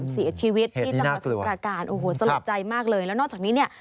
เสียชีวิตที่จังหวัดสมุทราการโอ้โหสลดใจมากเลยแล้วนอกจากนี้เนี่ย